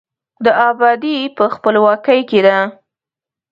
د آبادي په، خپلواکۍ کې ده.